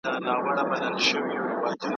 د سرطان درملنې چټکتیا اړینه ده.